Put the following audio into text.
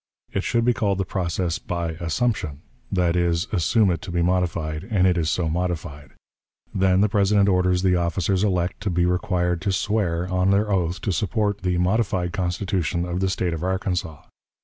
It should be called the process by "assumption" that is, assume it to be modified, and it is so modified. Then the President orders the officers elect to be required to swear, on their oath, to support "the modified Constitution of the State of Arkansas."